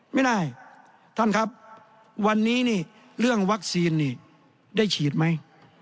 ไม่ได้ท่านครับวันนี้นี่เรื่องวัคซีนนี่ได้ฉีดไหม